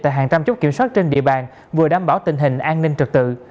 tại hàng trăm chốc kiểm soát trên địa bàn vừa đảm bảo tình hình an ninh trực tự